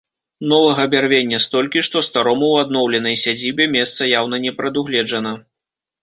Новага бярвення столькі, што старому ў адноўленай сядзібе месца яўна не прадугледжана.